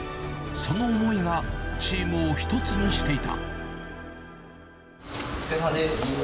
その思いがチームを一つにしていた。